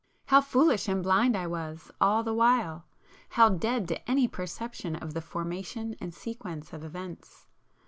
How foolish and blind I was all the while!—how dead to any perception of the formation and sequence of events!